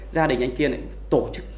gia đình anh kiên tổ chức